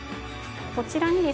こちらにですね